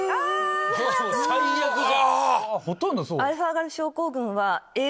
最悪じゃん！